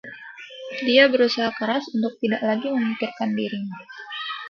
Dia berusaha keras untuk tidak lagi memikirkan dirinya.